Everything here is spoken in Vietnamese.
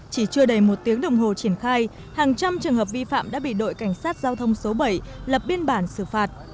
chỉ chưa đầy một tiếng đồng hồ triển khai hàng trăm trường hợp vi phạm đã bị đội cảnh sát giao thông số bảy lập biên bản xử phạt